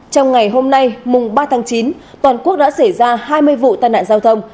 trong ngày hôm nay mùng ba tháng chín toàn quốc đã xảy ra hai mươi vụ tai nạn giao thông